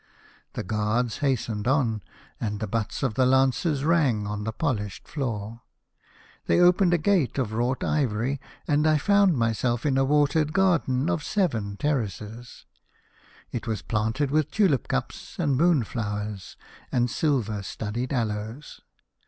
The guards hastened on, and the butts of the lances rang upon the polished floor. They opened a gate of wrought ivory, and I found myself in a watered garden of seven 102 The Fisherman and his Soul. terraces. It was planted with tulip cups and moonflowers, and silver studded aloes.